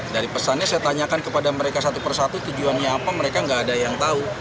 dari pesannya saya tanyakan kepada mereka satu persatu tujuannya apa mereka nggak ada yang tahu